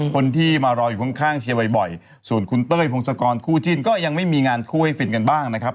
คนที่มารออยู่ข้างเชียร์บ่อยส่วนคุณเต้ยพงศกรคู่จิ้นก็ยังไม่มีงานคู่ให้ฟินกันบ้างนะครับ